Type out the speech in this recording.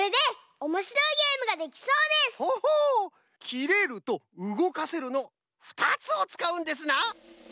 「きれる」と「うごかせる」の２つをつかうんですな！